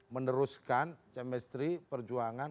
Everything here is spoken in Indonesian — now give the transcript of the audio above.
meneruskan semestri perjuangan